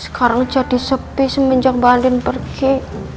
sekarang jadi sepi semenjak mbak aldin pergi